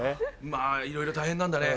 まぁいろいろ大変なんだね。